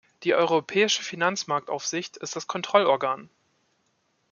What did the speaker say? Die Europäische Finanzmarktaufsicht ist das Kontrollorgan.